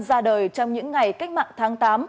ra đời trong những ngày cách mạng tháng tám